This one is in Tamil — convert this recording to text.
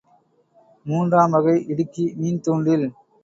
மூன்றாம் வகை இடுக்கி, மீன்தூண்டில்.